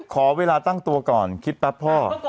ขอเวลาตั้งตัวก่อนคิดแป๊บพ่อ